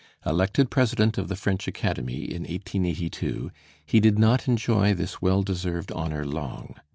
Elected President of the French Academy in 1882, he did not enjoy this well deserved honor long.